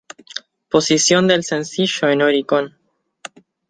Posición del sencillo en Oricon.